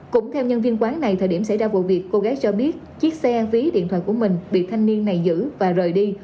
cũng theo nhân viên quán này thời điểm xảy ra vụ việc cô gái cho biết chiếc xe ví điện thoại của mình bị thanh niên này giữ và rời đi